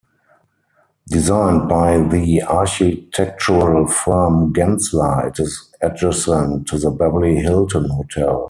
Designed by the architectural firm Gensler, it is adjacent to the Beverly Hilton Hotel.